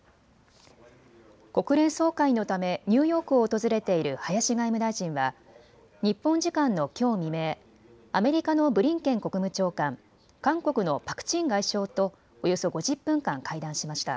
国連総会のためニューヨークを訪れている林外務大臣は日本時間のきょう未明、アメリカのブリンケン国務長官、韓国のパク・チン外相とおよそ５０分間、会談しました。